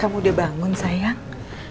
kamu udah bangun sayang